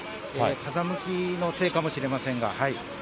風向きのせいかもしれませんが。